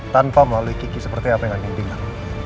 tanpa melalui kiki seperti apa yang anda inginkan